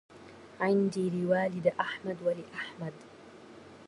عندي لوالد أحمد ولأحمد